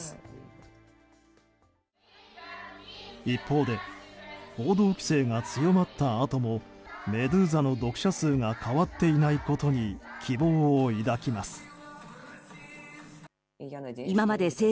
一方で報道規制が強まったあともメドゥーザの読者数が変わっていないことに希望を抱きます。